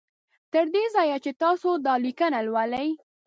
تر دې ځایه چې تاسو دا لیکنه لولی